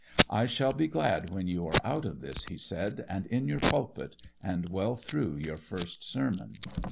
'I shall be glad when you are out of this,' he said, 'and in your pulpit, and well through your first sermon.